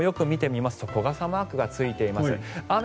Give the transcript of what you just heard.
東京もよく見てみますと傘マークがついています。